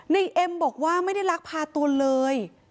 เอ็มบอกว่าไม่ได้ลักพาตัวเลย